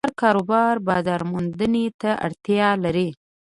هر کاروبار بازارموندنې ته اړتیا لري.